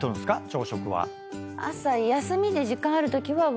朝食は。